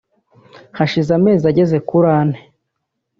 Hashize amezi ageze kuri ane